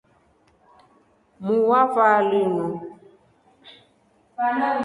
Muu wa vaa linu.